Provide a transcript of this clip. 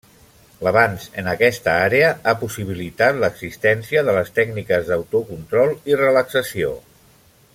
L'avanç en aquesta àrea ha possibilitat l'existència de les tècniques d'autocontrol i relaxació.